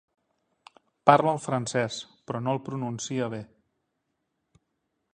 Parla el francès, però no el pronuncia bé.